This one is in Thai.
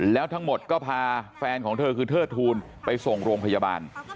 แล้วทั้งหมดก็พาแฟนของเธอคือเทิดทูลไปส่งโรงพยาบาล